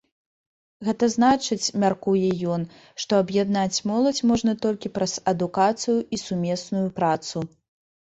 Гэта значыць, мяркуе ён, што аб'яднаць моладзь можна толькі праз адукацыю і сумесную працу.